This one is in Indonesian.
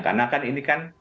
karena kan ini kan